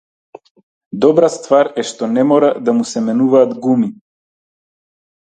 Добра ствар е што не мора да му се менуваат гуми.